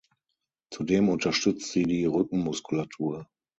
Zudem unterstützt sie die Rückenmuskulatur.